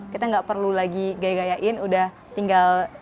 kita tidak perlu lagi gaya gayain sudah tinggal